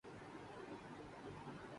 آپ کا خیرخواہ۔